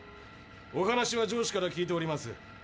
お話は上司から聞いております。